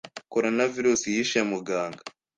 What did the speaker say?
Corona virus yishe muganga